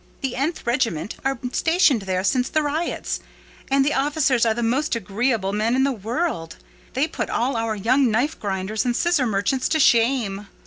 The ——th regiment are stationed there since the riots; and the officers are the most agreeable men in the world: they put all our young knife grinders and scissor merchants to shame."